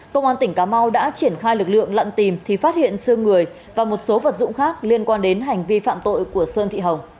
công an tỉnh cà mau đã triển khai lực lượng lặn tìm thì phát hiện sương người và một số vật dụng khác liên quan đến hành vi phạm tội của sơn thị hồng